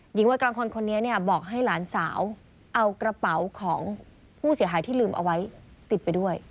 หญิงวัยกลางคนคนนี้เนี่ยบอกให้หลานสาวเอากระเป๋าของผู้เสียหายที่ลืมเอาไว้ติดไปด้วย